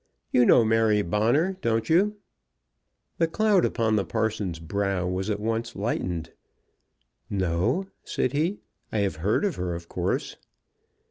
You know Mary Bonner; don't you?" The cloud upon the parson's brow was at once lightened. "No," said he. "I have heard of her, of course."